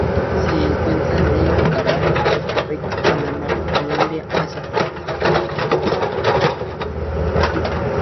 Se encuentran en Nicaragua, Costa Rica, Panamá, Colombia, Asia tropical.